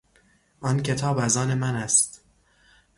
آن کتاب از آن من است.